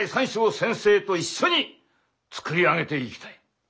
先生と一緒に作り上げていきたい。